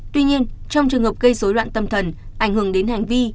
tuy nhiên trong trường hợp gây dối loạn tâm thần ảnh hưởng đến hành vi